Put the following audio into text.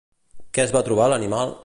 Què es va trobar l'animal?